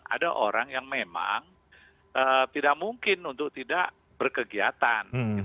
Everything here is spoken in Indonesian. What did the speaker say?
ada orang yang memang tidak mungkin untuk tidak berkegiatan